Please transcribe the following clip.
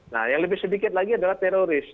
nah yang lebih sedikit lagi adalah teroris